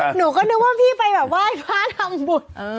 หนูก็นึกว่าพี่ไปว่ายป้าทำบท